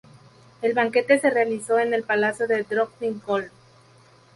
El banquete se realizó en el palacio de Drottningholm.